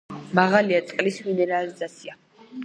მაღალია წყლის მინერალიზაცია.